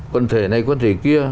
quân thể này quân thể kia